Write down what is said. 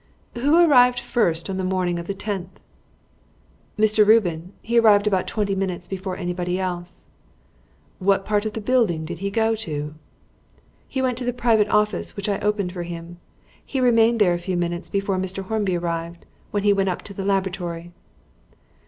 "Who arrived first on the morning of the tenth?" "Mr. Reuben. He arrived about twenty minutes before anybody else." "What part of the building did he go to?" "He went into the private office, which I opened for him. He remained there until a few minutes before Mr. Hornby arrived, when he went up to the laboratory."